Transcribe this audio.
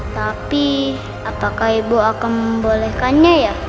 tapi apakah ibu akan membolehkannya ya